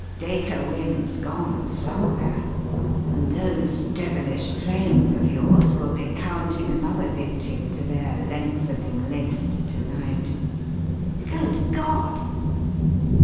Dacre Wynne's gone somewhere, and those devilish flames of yours will be counting another victim to their lengthening list to night." "Good God!"